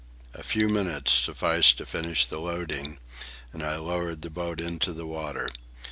A few minutes sufficed to finish the loading, and I lowered the boat into the water.